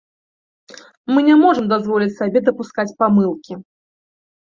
Мы не можам дазволіць сабе дапускаць памылкі.